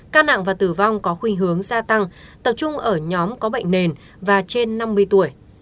ca nặng và tử vong có khuyên hướng gia tăng tập trung ở nhóm có bệnh nền và trên năm mươi tuổi